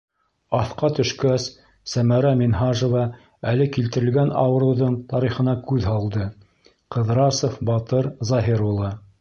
Аҫҡа төшкәс, Сәмәрә Минһажева әле килтерелгән ауырыуҙың тарихына күҙ һалды: «Ҡыҙрасов Батыр Заһир улы».